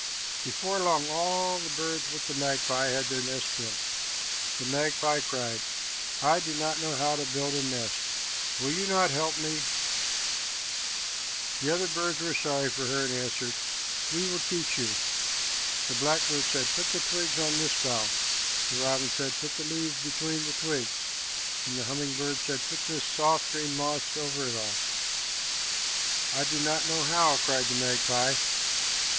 Before long all the birds but the magpie had their nests built. The magpie cried, "I do not know how to build a nest. Will you not help me?" The other birds were sorry for her and answered, "We will teach you." The black bird said, "Put the twigs on this bough;" the robin said, "Put the leaves between the twigs;" and the humming bird said, "Put this soft green moss over it all." "I do not know how," cried the magpie.